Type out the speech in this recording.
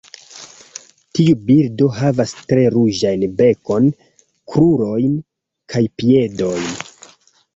Tiu birdo havas tre ruĝajn bekon, krurojn kaj piedojn.